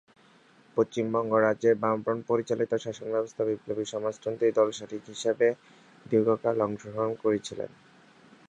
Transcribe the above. পশ্চিমবঙ্গ রাজ্যের বামফ্রন্ট পরিচালিত শাসনব্যবস্থায় বিপ্লবী সমাজতন্ত্রী দল শরিক হিসেবে দীর্ঘকাল অংশগ্রহণ করেছিল।